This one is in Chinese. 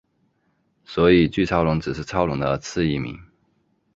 所以巨超龙只是超龙的次异名。